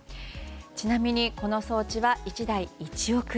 ちなみに、この装置は１台１億円。